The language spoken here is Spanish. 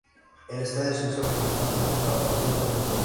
El estadio se usa principalmente para partidos de fútbol.